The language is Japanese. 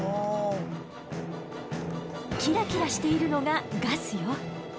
キラキラしているのがガスよ。